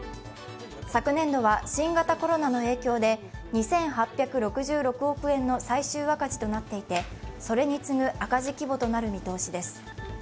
昨年度は新型コロナの影響で２８６６億円の最終赤字となっていて、それに次ぐ赤字規模となる見通しです。